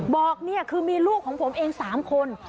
บอกนี่คือมีลูกของผมเอง๓คน